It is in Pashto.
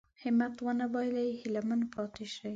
همت ونه بايلي هيله من پاتې شي.